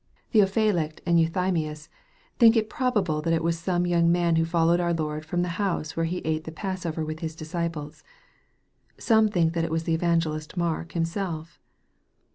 Theophylact and Euthymius think it probable that it was some young man who followed our Lord from the house where He ate the passover with His disciples. Some think that it was the Evan gelist Mark himself.